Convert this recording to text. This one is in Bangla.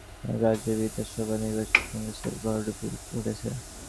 একদা শক্তিশালী ঘাঁটি বলে পরিচিত অনেক রাজ্যের বিধানসভা নির্বাচনে কংগ্রেসের ভরাডুবি ঘটেছে।